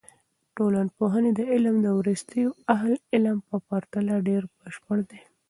د ټولنپوهنې علم د وروستیو اهل علم په پرتله ډېر بشپړ دی.